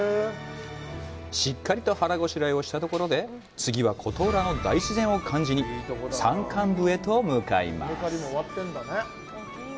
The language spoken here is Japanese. しっかりと腹ごしらえをしたところで、次は琴浦の大自然を感じに、山間部へと向かいます。